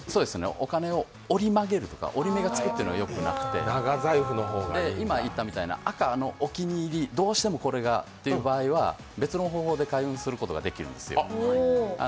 お金を折り曲げるとか折り目をつけるのはあまりよくなくて、赤のお気に入り、どうしてもこれがという場合は別の方法で開運することができるんですよ。